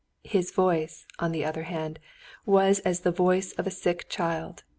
His voice, on the other hand, was as the voice of a sick child.